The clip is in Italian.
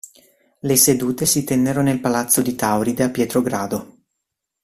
Le sedute si tennero nel Palazzo di Tauride a Pietrogrado.